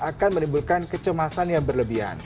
akan menimbulkan kecemasan yang berlebihan